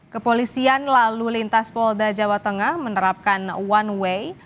kepolisian lalu lintas polda jawa tengah menerapkan one way